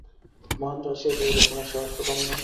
মহেন্দ্র হাসিয়া কহিল, তোমার সাহস তো কম নয়।